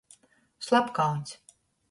Slapkauņs.